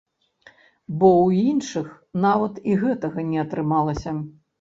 Бо ў іншых нават і гэтага не атрымалася.